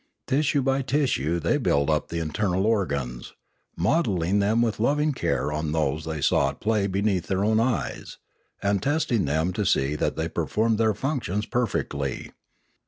Tissue by tissue they built up the internal organs, modelling them with loving care on those they saw at play beneath their own eyes, and testing them to see that they performed their functions perfectly.